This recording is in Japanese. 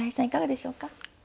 いかがでしょうか？